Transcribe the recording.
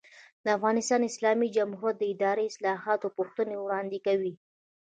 د افغانستان اسلامي جمهوریت د اداري اصلاحاتو پوښتنې وړاندې کوي.